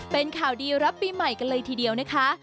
เป็นข่าวดีรับปีใหม่กันเลยทีเดียวนะคะ